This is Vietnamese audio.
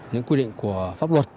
những quy định của pháp luật